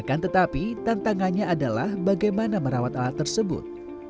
akan tetapi tantangannya adalah bagaimana merawat alat tersebut